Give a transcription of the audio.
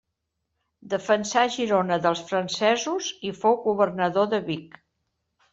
Defensà Girona dels francesos i fou governador de Vic.